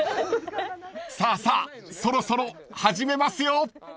［さあさあそろそろ始めますよ］